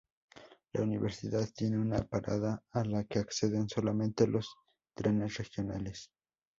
La universidad tiene una parada a la que acceden solamente los trenes regionales.